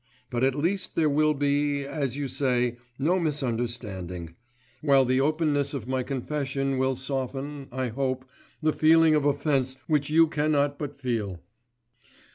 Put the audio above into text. But at least there will be, as you say, no misunderstanding, while the openness of my confession will soften, I hope, the feeling of offence which you cannot but feel.